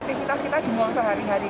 aktivitas kita dimuang sehari hari